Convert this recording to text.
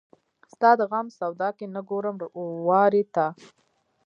ستا د غم سودا کې نه ګورم وارې ته